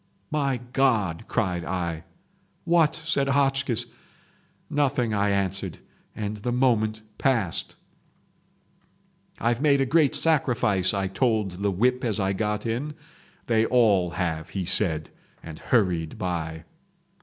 'My God!' cried I. 'What?' said Hotchkiss. 'Nothing!' I answered, and the moment passed. "'I've made a great sacrifice,' I told the whip as I got in. They all have,' he said, and hurried by.